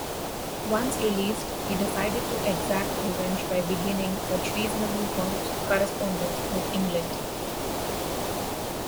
Once released he decided to exact revenge by beginning a treasonable correspondence with England.